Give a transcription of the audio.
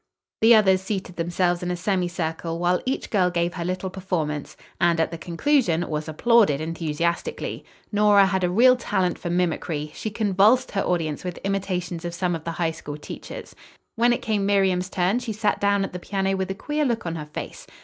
The others seated themselves in a semicircle, while each girl gave her little performance, and, at the conclusion, was applauded enthusiastically. Nora had a real talent for mimicry; she convulsed her audience with imitations of some of the High School teachers. When it came Miriam's turn she sat down at the piano with a queer look on her face.